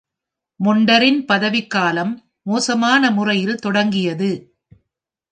மோண்டரின் பதவிக்காலம் மோசமான முறையில் தொடங்கியது.